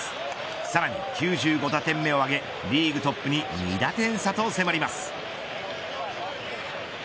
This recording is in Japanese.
さらに９５打点目を挙げリーグトップに２打点差と迫ります。